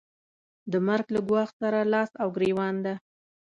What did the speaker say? د مرګ له ګواښ سره لاس او ګرېوان ده.